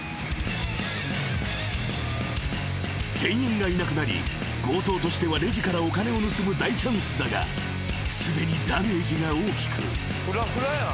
［店員がいなくなり強盗としてはレジからお金を盗む大チャンスだがすでにダメージが大きく］